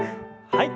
はい。